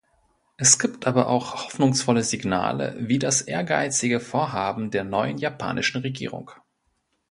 Es gibt aber auch hoffnungsvolle Signale, wie das ehrgeizige Vorhaben der neuen japanischen Regierung.